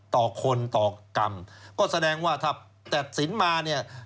ต่อคนต่อกรรมก็แสดงว่าถ้าแทดสินมา